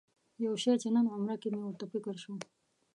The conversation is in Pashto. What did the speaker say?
یو شي چې نن عمره کې مې ورته فکر شو.